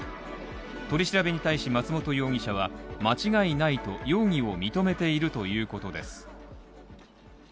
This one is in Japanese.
取り調べに対し松本容疑者は間違いないと容疑を認めているということです。